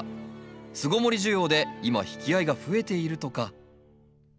巣ごもり需要で今引き合いが増えているとか。